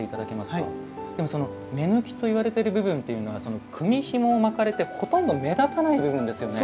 でもその目貫といわれてる部分というのは組みひもを巻かれてほとんど目立たない部分ですよね。